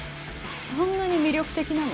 そんなに魅力的なの？